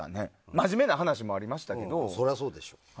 まじめな話もありましたけど。